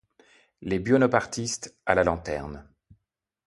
Les buonapartist’ à la lanterne!